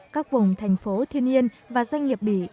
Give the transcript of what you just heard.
các vùng thành phố thiên nhiên và doanh nghiệp bỉ